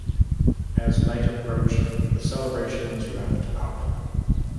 As night approached the celebrations wrapped up.